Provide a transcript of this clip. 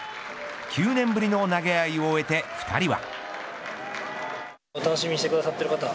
９年ぶりの投げ合いを終えて２人は。